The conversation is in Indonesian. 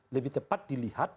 lebih tepat dilihat